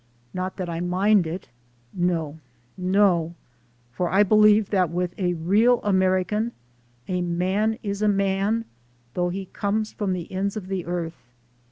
Not that I mind it. No, no! For I believe that with a real American a man is a man "though he comes from the ends of the earth."